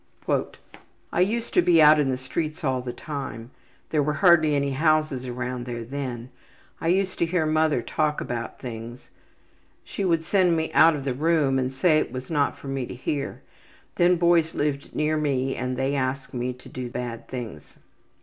``I used to be out in the streets all the time. There were hardly any houses around there then. I used to hear mother talk about things. She would send me out of the room and say it was not for me to hear. Then boys lived near me and they asked me to do bad things.